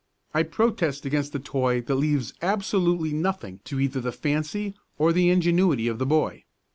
I protest against the toy that leaves absolutely nothing to either the fancy or the ingenuity of the boy.